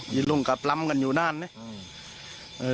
ยิงลงก็ปลำกันอยู่นั่นเนี่ย